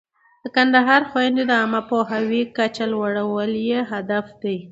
د کندهاري خویندو د عامه پوهاوي کچه لوړول یې هدف دی.